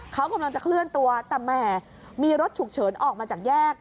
เขากำลังจะเคลื่อนตัวแต่แหมมีรถฉุกเฉินออกมาจากแยก